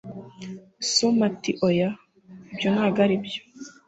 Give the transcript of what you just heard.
xuma ati oya. ibyo ntago aribyo